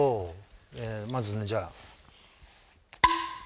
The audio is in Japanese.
まずねじゃあ。